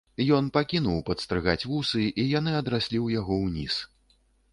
Ён пакінуў падстрыгаць вусы, і яны адраслі ў яго ўніз.